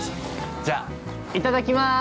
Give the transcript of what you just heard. じゃあ、いただきます！